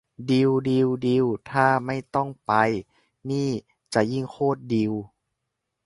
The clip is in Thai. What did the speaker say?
ดีล ดีล ดีลถ้าไม่ต้องไป นี่จะยิ่งโคตรดีล